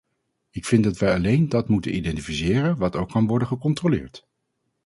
Ik vind dat wij alleen dat moeten identificeren wat ook kan worden gecontroleerd.